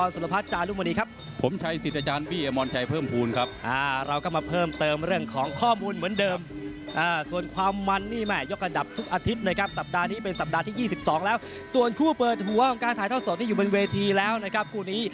สวัสดีครับ